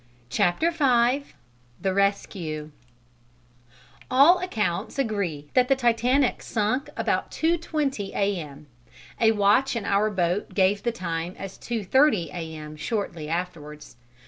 CHAPTER V THE RESCUE All accounts agree that the Titanic sunk about 2:20 A.M.: a watch in our boat gave the time as 2:30 A.M. shortly afterwards.